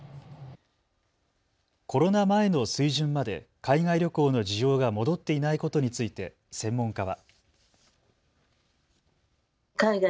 コロナ前の水準まで海外旅行の需要が戻っていないことについて専門家は。